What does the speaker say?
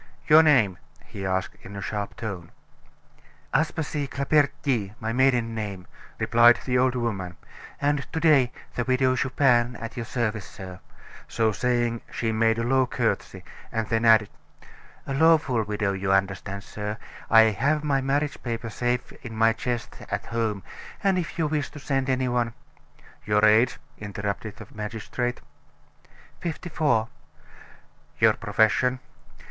"Your name?" he asked in a sharp tone. "Aspasie Claperdty, my maiden name," replied the old woman, "and to day, the Widow Chupin, at your service, sir;" so saying, she made a low courtesy, and then added: "A lawful widow, you understand, sir; I have my marriage papers safe in my chest at home; and if you wish to send any one " "Your age?" interrupted the magistrate. "Fifty four." "Your profession?"